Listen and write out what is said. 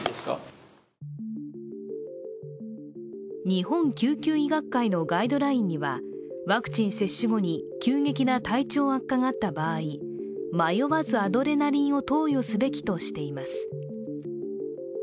日本救急医学会のガイドラインにはワクチン接種後に急激な体調悪化があった場合迷わずアドレナリンを投与すべきとしています